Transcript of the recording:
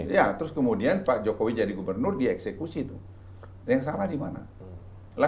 ya terus kemudian pak jokowi jadi gubernur dia eksekusi tuh yang salah di mana